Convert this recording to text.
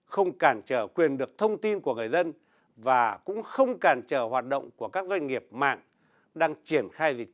không cản trở quyền được thông tin của người dân và cũng không cản trở hoạt động của các doanh nghiệp mạng đang triển khai dịch vụ ở việt nam